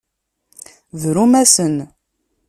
Brum-asen.